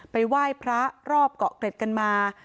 ไหว้พระรอบเกาะเกร็ดกันมา